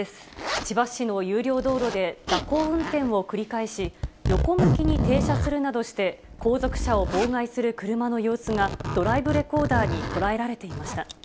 千葉市の有料道路で蛇行運転を繰り返し、横向きに停車するなどして、後続車を妨害する車の様子が、ドライブレコーダーに捉えられていました。